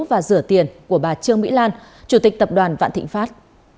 và rửa tiền của bà trương mỹ lan chủ tịch tập đoàn vạn thịnh pháp